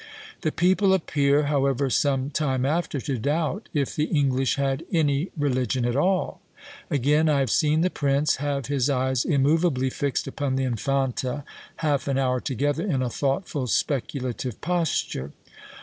The people appear, however, some time after, to doubt if the English had any religion at all. Again, "I have seen the prince have his eyes immovably fixed upon the Infanta half an hour together in a thoughtful speculative posture."